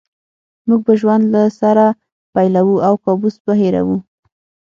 موږ به ژوند له سره پیلوو او کابوس به هېروو